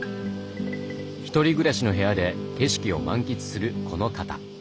１人暮らしの部屋で景色を満喫するこの方。